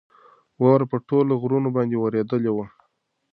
واوره په ټولو غرو باندې ورېدلې وه.